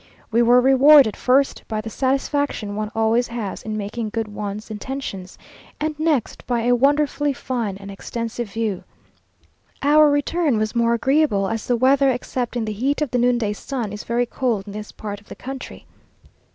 We were rewarded, first by the satisfaction one always has in making good one's intentions, and next, by a wonderfully fine and extensive view. Our return was more agreeable, as the weather, except in the heat of the noonday sun, is very cold in this part of the country.